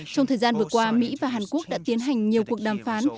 trong thời gian vừa qua mỹ và hàn quốc đã tiến hành nhiều cuộc đàm phán